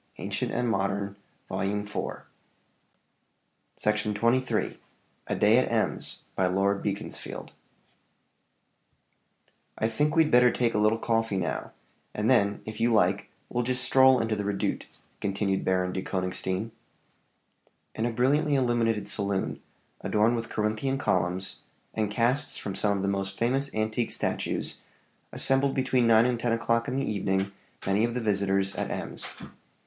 [Illustration: Signature: Isa Carrington Cabell.] A DAY AT EMS From 'Vivian Grey' "I think we'd better take a little coffee now; and then, if you like, we'll just stroll into the REDOUTE" [continued Baron de Konigstein]. In a brilliantly illuminated saloon, adorned with Corinthian columns, and casts from some of the most famous antique statues, assembled between nine and ten o'clock in the evening many of the visitors at Ems.